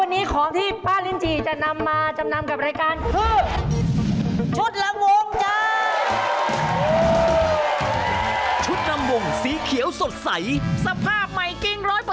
อันนี้เรื่องคุณครัวเกี่ยวกันเที่ยวกันเที่ยว